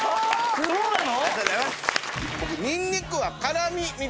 そうなの？